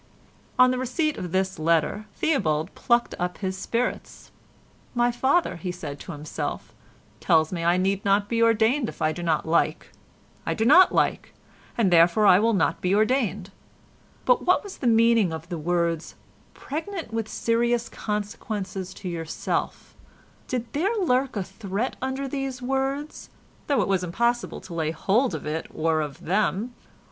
On the receipt of this letter Theobald plucked up his spirits. "My father," he said to himself, "tells me I need not be ordained if I do not like. I do not like, and therefore I will not be ordained. But what was the meaning of the words 'pregnant with serious consequences to yourself'? Did there lurk a threat under these words—though it was impossible to lay hold of it or of them?